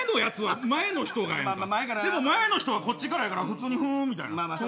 前の人はこっちからやから普通にふーんみたいな。